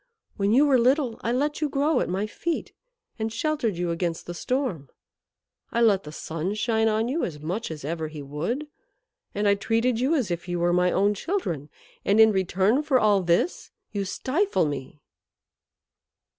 When you were little I let you grow at my feet, and sheltered you against the storm, I let the sun shine on you as much as ever he would, and I treated you as if you were my own children. And in return for all this you stifle me."